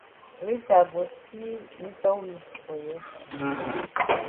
Rita go still meetup we for here.